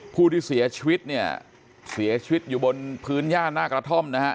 ผู้ที่เสียชีวิตเนี่ยเสียชีวิตอยู่บนพื้นย่าหน้ากระท่อมนะฮะ